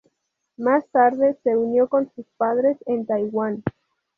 Más tarde se unió con sus padres en Taiwán.